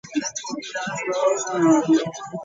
Risso's dolphin was named after him.